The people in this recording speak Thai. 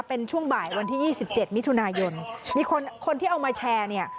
เป็นช่วงบ่ายวันที่๒๗มิถุนายนมีคนที่เอามาแชร์เนี่ย